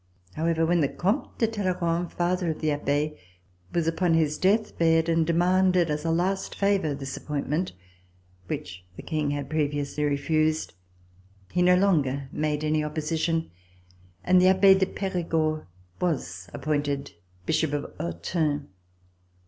However, when the Comte de Talleyrand, father of the Abbe, was upon his deathbed and demanded as a last favor this appointment, which the King had previ ously refused, he no longer made any opposition, and the Abbe de Perigord was appointed Bishop of Autun.